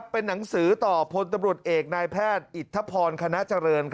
เป็นหนังสือต่อพลตำรวจเอกนายแพทย์อิทธพรคณะเจริญ